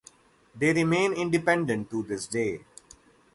They remain independent to this day.